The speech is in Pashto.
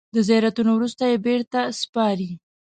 د زیارتونو وروسته یې بېرته سپاري.